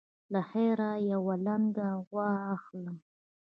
له خیره یوه لنګه غوا اخلم.